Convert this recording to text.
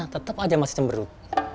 tetep aja masih cemberut